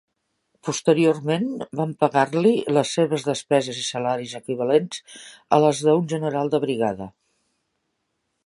Posteriorment van pagar-li les seves despeses i salaris equivalents a les d'un general de brigada.